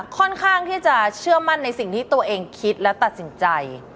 ค่อนข้างที่จะเชื่อมั่นในสิ่งที่ตัวเองคิดและตัดสินใจ